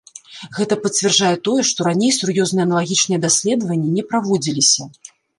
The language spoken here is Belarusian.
Гэтае пацвярджае тое, што раней сур'ёзныя аналагічныя даследаванні не праводзіліся.